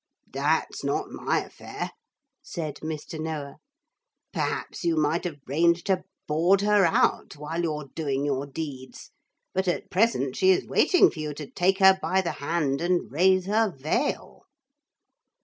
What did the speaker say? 'That's not my affair,' said Mr. Noah. 'Perhaps you might arrange to board her out while you're doing your deeds. But at present she is waiting for you to take her by the hand and raise her veil.'